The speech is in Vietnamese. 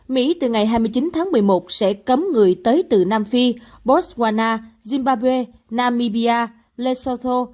mỹ từ ngày hai mươi chín tháng một mươi một sẽ cấm người tới từ nam phi botswana zimbabwe namibia le sotho